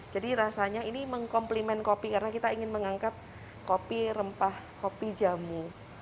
jadi rasanya ini mengkomplimen kopi karena kita ingin mengangkat kopi rempah kopi jamu